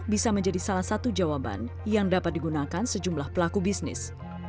bisa menjadi salah satu jawaban yang dapat digunakan sejumlah pelaku bisnis